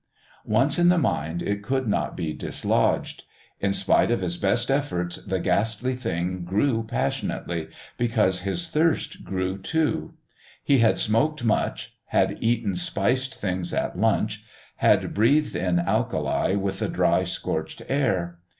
Once in the mind it could not be dislodged. In spite of his best efforts, the ghastly thing grew passionately because his thirst grew too. He had smoked much; had eaten spiced things at lunch; had breathed in alkali with the dry, scorched air.